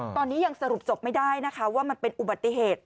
ตอนนี้ยังสรุปจบไม่ได้นะคะว่ามันเป็นอุบัติเหตุ